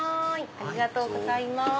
ありがとうございます。